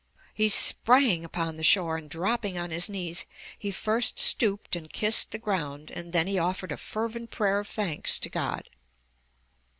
He sprang upon the shore, and dropping on his knees, he first stooped and kissed the ground, and then he offered a fervent prayer of thanks to God.